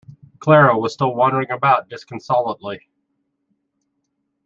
Clara was still wandering about disconsolately.